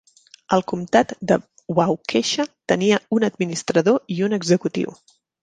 El comtat de Waukesha tenia un administrador i un executiu.